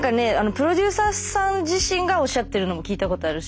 プロデューサーさん自身がおっしゃってるのも聞いたことあるし。